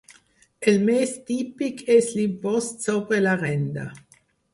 El més típic és l'impost sobre la renda.